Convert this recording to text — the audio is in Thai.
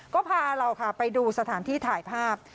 ก็พาเราค่ะไปดูสถานที่ถ่ายภาพ